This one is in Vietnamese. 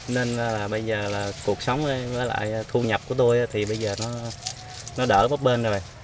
nên là bây giờ là cuộc sống với lại thu nhập của tôi thì bây giờ nó đỡ vấp bên rồi